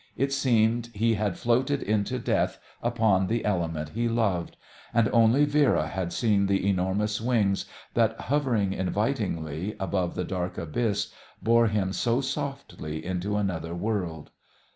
It seemed he had floated into death upon the element he loved. And only Vera had seen the enormous wings that, hovering invitingly above the dark abyss, bore him so softly into another world.